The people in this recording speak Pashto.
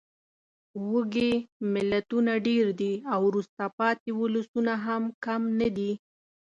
وږې ملتونه ډېر دي او وروسته پاتې ولسونه هم کم نه دي.